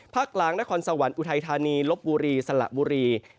กลางนครสวรรค์อุทัยธานีลบบุรีสละบุรี